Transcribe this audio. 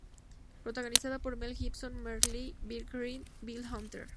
Protagonizada por Mel Gibson, Mark Lee, Bill Kerr, Bill Hunter.